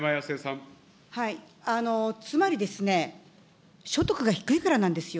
つまりですね、所得が低いからなんですよ。